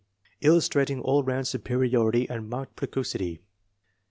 Illustrating all round superi ority and marked precocity.